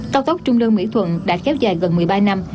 cao tốc trung lương mỹ thuận đã kéo dài gần một mươi ba năm